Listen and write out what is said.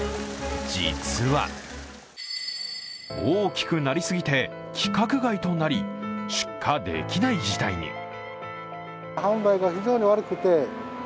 実は、大きくなりすぎて規格外となり出荷できない事態に。